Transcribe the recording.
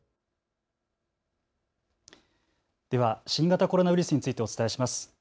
では新型コロナウイルスについてお伝えします。